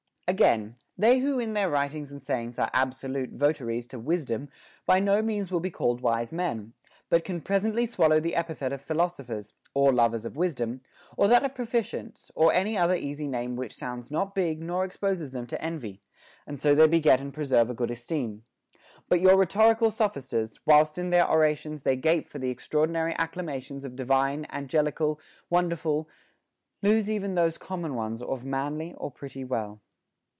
Again, they who in their writings and sayings are abso lute votaries to wisdom by no means will be called σοφοί (or wise men), but can presently swallow the epithet of philos ophers (or lovers of wisdom), or that of proficients, or any other easy name which sounds not big nor exposes them to envy ; and so they beget and preserve a good esteem. But your rhetorical sophisters, whilst in their orations they gape for the extraordinary acclamations of divine, angel ical, wonderful, lose even those common ones of manly or pretty well.